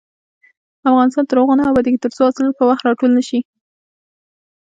افغانستان تر هغو نه ابادیږي، ترڅو حاصلات په وخت راټول نشي.